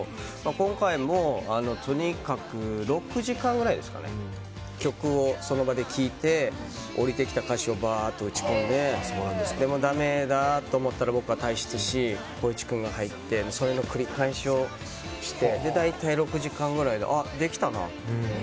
今回もとにかく６時間ぐらい曲をその場で聴いて降りてきた歌詞をバーっと打ち込んでで、だめだと思ったら僕が退出し、光一君が入ってその繰り返しをして大体６時間ぐらいでできたなと。